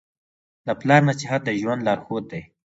د پلار نصیحت د ژوند لارښود دی.